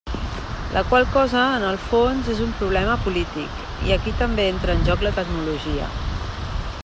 La qual cosa, en el fons, és un problema polític, i aquí també entra en joc la tecnologia.